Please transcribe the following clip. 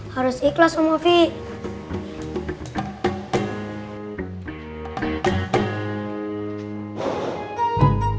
harus ikhlas banget